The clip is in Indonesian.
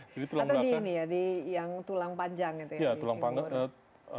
atau di ini ya di yang tulang panjang itu ya di timur